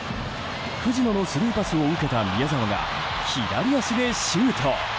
藤野のスルーパスを受けた宮澤が左足でシュート！